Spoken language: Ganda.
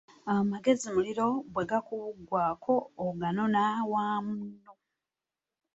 Amagezi muliro, bwe gukuggwako ogunona wa munno.